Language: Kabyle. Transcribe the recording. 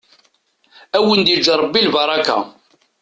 Ad awen-d-yeǧǧ ṛebbi lbaṛaka.